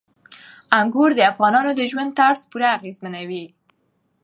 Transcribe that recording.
انګور د افغانانو د ژوند طرز پوره اغېزمنوي.